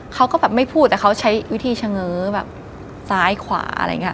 เขาก็แบบไม่พูดแต่เขาใช้วิธีเฉง้อแบบซ้ายขวาอะไรอย่างนี้